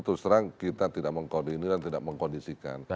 terus terang kita tidak mengkoordinir dan tidak mengkondisikan